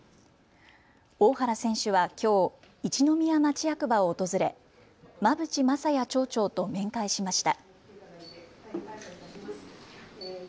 大原選手はきょう、一宮町役場を訪れ馬淵昌也町長と面会しました。